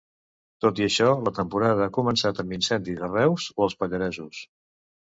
Tot i això, la temporada ha començat amb incendis a Reus o els Pallaresos.